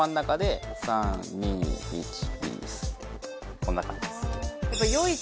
こんなかんじです。